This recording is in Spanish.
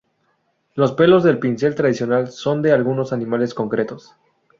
Los pelos del pincel tradicional son de algunos animales concretos.